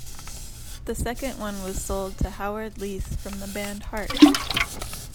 The second one was sold to Howard Leese from the band Heart.